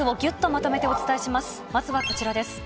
まずはこちらです。